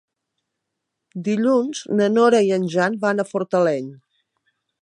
Dilluns na Nora i en Jan van a Fortaleny.